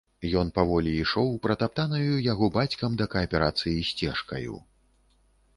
Ён паволі ішоў пратаптанаю яго бацькам да кааперацыі сцежкаю.